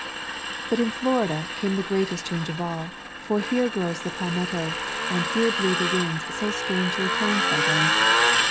But in Florida came the greatest change of all, for here grows the palmetto, and here blow the winds so strangely toned by them.